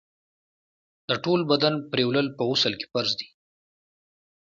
د ټول بدن پرېولل په غسل کي فرض دي.